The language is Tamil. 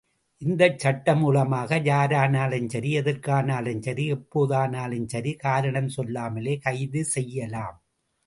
இந்த சட்டம் மூலமாக யாரானாலும் சரி, எதற்கானாலும் சரி, எப்போதானாலும் சரி, காரணம் சொல்லாமலே கைது செய்யலாம்.